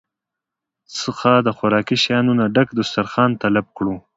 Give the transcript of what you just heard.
څخه د خوراکي شيانو نه ډک دستارخوان طلب کړو